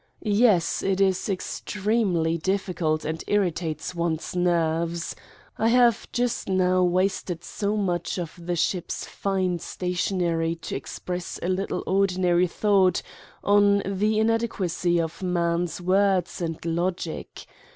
Yes, it is extremely difficult and irritates one's '' nerves. '' I have just now wasted so much of the ship's fine stationery to express a little ordinary thought on the inadequacy of man's words and logic.